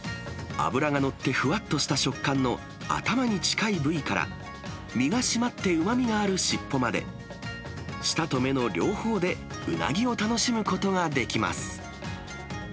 脂が乗ってふわっとした食感の頭に近い部位から、身が締まってうまみがある尻尾まで、舌と目の両方でうなぎを楽しむことができます。